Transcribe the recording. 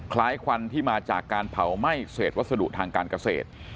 ควันที่มาจากการเผาไหม้เศษวัสดุทางการเกษตร